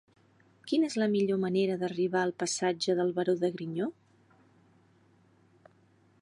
Quina és la millor manera d'arribar al passatge del Baró de Griñó?